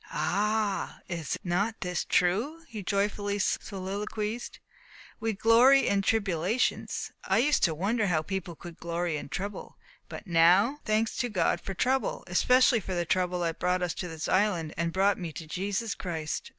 "Ah! is not this true?" he joyfully soliloquized. "We glory in tribulations. I used to wonder how people could glory in trouble. But now, thanks to God for trouble! especially for the trouble that brought us to this island, and brought me to Jesus Christ!